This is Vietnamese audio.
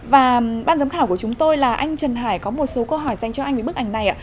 và ban giám khảo của chúng tôi là anh trần hải có một số câu hỏi dành cho anh với bức ảnh này ạ